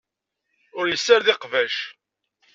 Ur yessared iqbac.